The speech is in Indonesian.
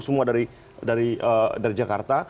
semua dari jakarta